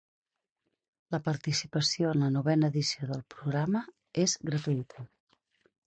La participació en la novena edició del programa és gratuïta.